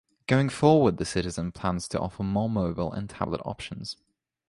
Going forward The Citizen plans to offer more mobile and tablet options.